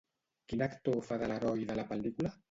Quin actor fa de l'heroi de la pel·lícula?